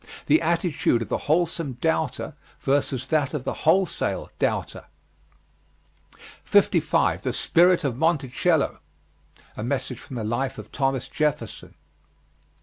The attitude of the wholesome doubter versus that of the wholesale doubter. 55. THE SPIRIT OF MONTICELLO. A message from the life of Thomas Jefferson.